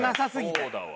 そうだわ。